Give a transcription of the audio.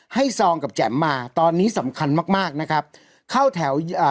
ซองกับแจ๋มมาตอนนี้สำคัญมากมากนะครับเข้าแถวอ่า